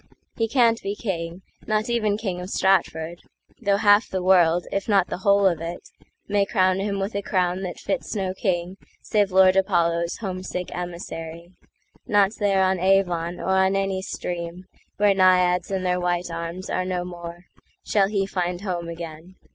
He can't be king, not even king of Stratford,—Though half the world, if not the whole of it, May crown him with a crown that fits no kingSave Lord Apollo's homesick emissary:Not there on Avon, or on any streamWhere Naiads and their white arms are no more, Shall he find home again.